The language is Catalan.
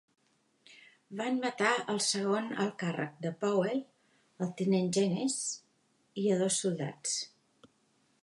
Van matar al segon al càrrec de Powell, el tinent Jenness, i a dos soldats.